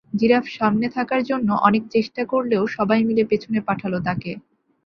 Giraffe সামনে থাকার জন্য অনেক চেষ্টা করলেও সবাই মিলে পেছনে পাঠাল তাকে।